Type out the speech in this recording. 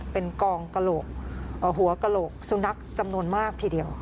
เป็นกองกระหัวกระโหลกสุนัขจำนวนมากทีเดียว